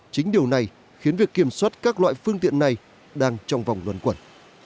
chính điều này khiến việc kiểm soát các loại phương tiện này đang trong vòng luân quẩn